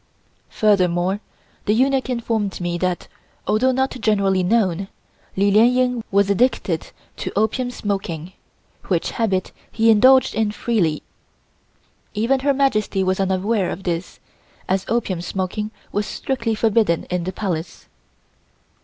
Furthermore, the eunuch informed me that, although not generally known, Li Lien Ying was addicted to opium smoking, which habit he indulged in very freely. Even Her Majesty was unaware of this, as opium smoking was strictly forbidden in the Palace.